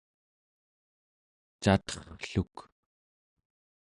caterrluk